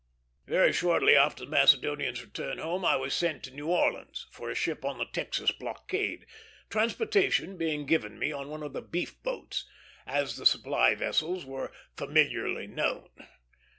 Very shortly after the Macedonian's return home I was sent to New Orleans, for a ship on the Texas blockade; transportation being given me on one of the "beef boats," as the supply vessels were familiarly known.